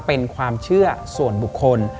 เป็นความเชื่อส่วนบุคคล